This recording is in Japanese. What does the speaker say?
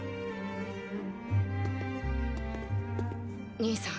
兄さん。